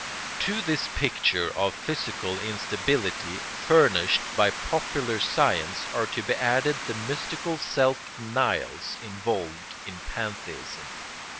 ] To this picture of physical instability furnished by popular science are to be added the mystical self denials involved in pantheism.